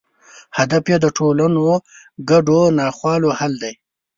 هدف یې د ټولنو ګډو ناخوالو حل دی.